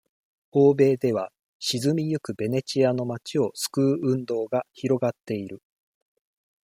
欧米では、沈みゆくベネチアの町を救う運動が広がっている。